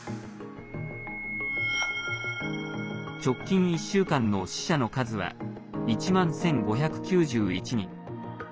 直近１週間の死者の数は１万１５９１人。